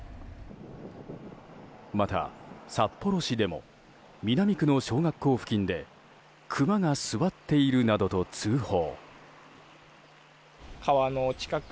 また、札幌市でも南区の小学校付近でクマが座っているなどと通報。